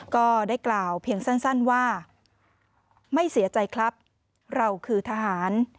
ก็ได้กล่าวเพียงสั้นว่าไม่เสียใจครับเราคือทหาร